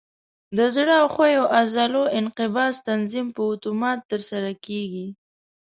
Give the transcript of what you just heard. د زړه او ښویو عضلو انقباض تنظیم په اتومات ترسره کېږي.